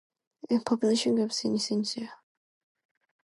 See Population groups in Israel.